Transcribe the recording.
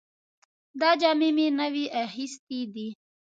دا جامې مې نوې اخیستې دي